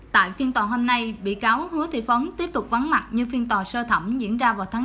tại phiên tòa hôm nay bị cáo hứa thị phấn tiếp tục vắng mặt như phiên tòa sơ thẩm diễn ra vào tháng năm hai nghìn một mươi tám